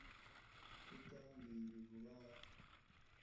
Kuki utambwiye ibi vuba aha?